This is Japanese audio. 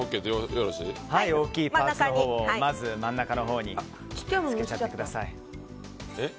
大きいパーツをまず真ん中のほうにつけちゃってください。